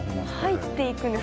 入っていくんです。